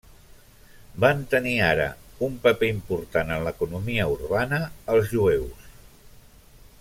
Van tenir ara un paper important en l'economia urbana els jueus.